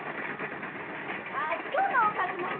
あ今日のおかず何？